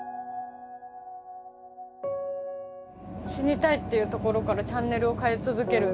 死にたいっていうところからチャンネルを変え続ける。